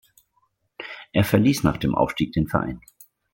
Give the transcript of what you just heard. Er verließ nach dem Aufstieg den Verein.